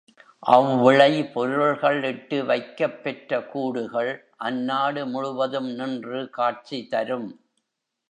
அவ்விளை பொருள்கள் இட்டு வைக்கப் பெற்ற கூடுகள், அந்நாடு முழுவதும் நின்று காட்சி தரும்.